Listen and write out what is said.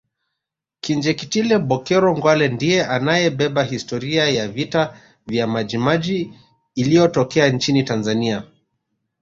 Kinjekitile Bokero Ngwale ndiye anayebeba historia ya vita vya majimaji iliyotokea nchini Tanzania